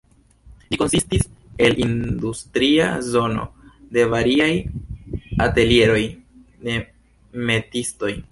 Ĝi konsistis el industria zono de variaj atelieroj de metiistoj.